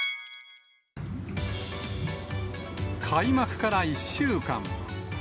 開幕から１週間。